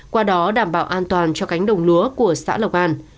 qua đó đảm bảo an toàn cho cánh đồng lúa của xã lộc an